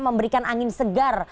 memberikan angin segar